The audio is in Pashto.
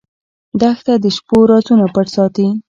دښته د شپو رازونه پټ ساتي.